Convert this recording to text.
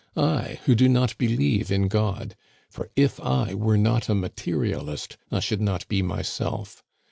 I, who do not believe in God! (For if I were not a materialist, I should not be myself.)